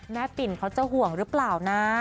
ปิ่นเขาจะห่วงหรือเปล่านะ